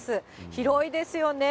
広いですよね。